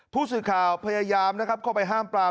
ผู้สื่อข่าวพยายามนะครับเข้าไปห้ามปราม